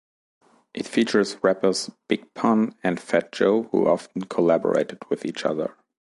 It features rappers Big Pun and Fat Joe who often collaborated with each other.